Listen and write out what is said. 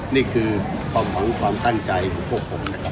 นี่คือความตั้งใจของพวกผมนะครับ